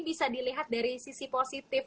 bisa dilihat dari sisi positif